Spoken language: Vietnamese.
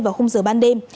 vào hôm giờ ban đêm